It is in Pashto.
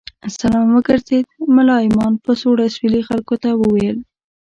سلام وګرځېد، ملا امام په سوړ اسوېلي خلکو ته وویل.